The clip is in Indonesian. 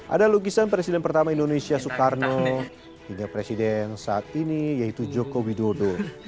ada lukisan presiden pertama indonesia soekarno hingga presiden saat ini yaitu joko widodo